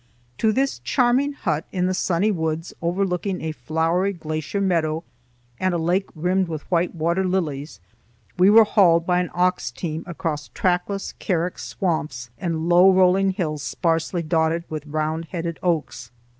To this charming hut, in the sunny woods, overlooking a flowery glacier meadow and a lake rimmed with white water lilies, we were hauled by an ox team across trackless carex swamps and low rolling hills sparsely dotted with round headed oaks.